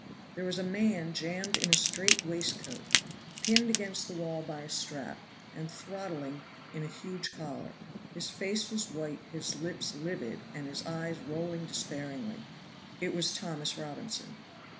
There was a man jammed in a strait waistcoat, pinned against the wall by a strap, and throttling in a huge collar; his face was white, his lips livid, and his eyes rolling despairingly. It was Thomas Robinson.